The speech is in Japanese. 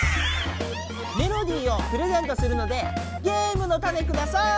メロディーをプレゼントするのでゲームのタネください！